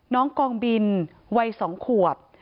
น้องกองบินวัย๒ขวบ